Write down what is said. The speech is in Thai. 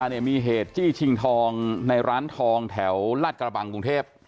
เนี่ยมีเหตุจี้ชิงทองในร้านทองแถวลาดกระบังกรุงเทพ